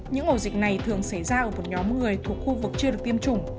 những ổ dịch này thường xảy ra ở một nhóm người thuộc khu vực chưa được tiêm chủng